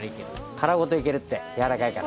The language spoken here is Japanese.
殻ごといけるってやわらかいから。